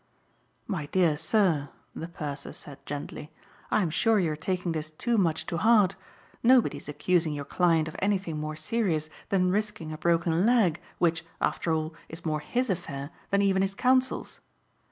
"My dear sir," the purser said gently, "I am sure you are taking this too much to heart. Nobody is accusing your client of anything more serious than risking a broken leg which, after all, is more his affair than even his counsel's.